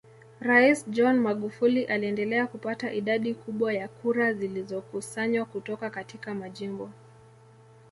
Rais John Magufuli aliendelea kupata idadi kubwa ya kura zilizokusanywa kutoka katika majimbo